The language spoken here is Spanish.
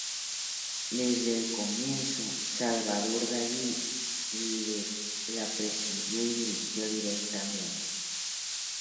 Desde el comienzo, Salvador Dalí la presidió y dirigió directamente.